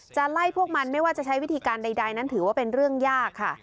ไล่พวกมันไม่ว่าจะใช้วิธีการใดนั้นถือว่าเป็นเรื่องยากค่ะ